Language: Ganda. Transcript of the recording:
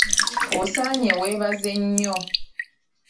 Osaanye weebaze nnyo